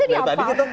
itu di apa